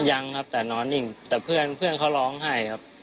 ยังครับแต่นอนอีกแต่เพื่อนเพื่อนเขาร้องให้ครับ